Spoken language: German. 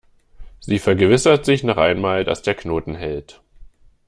Sie vergewissert sich noch einmal, dass der Knoten hält.